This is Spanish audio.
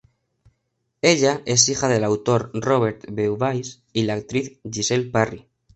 Ella es hija del autor Robert Beauvais y la actriz Gisele Parry.